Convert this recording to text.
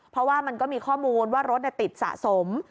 เพราะว่ามันก็มีข้อมูลว่ารถติดสะสม